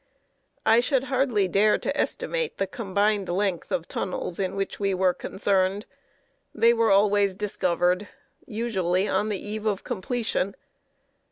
I should hardly dare to estimate the combined length of tunnels in which we were concerned; they were always discovered, usually on the eve of completion.